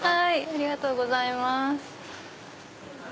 ありがとうございます。